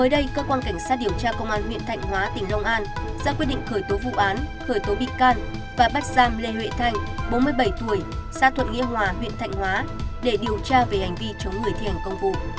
mới đây cơ quan cảnh sát điều tra công an huyện thạnh hóa tỉnh long an ra quyết định khởi tố vụ án khởi tố bị can và bắt giam lê huệ thanh bốn mươi bảy tuổi xã thuận nghĩa hòa huyện thạnh hóa để điều tra về hành vi chống người thi hành công vụ